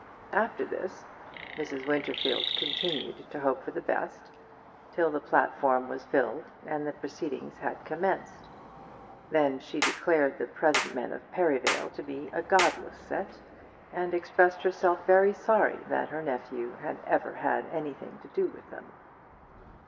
After this Mrs. Winterfield continued to hope for the best, till the platform was filled and the proceedings had commenced. Then she declared the present men of Perivale to be a godless set, and expressed herself very sorry that her nephew had ever had anything to do with them.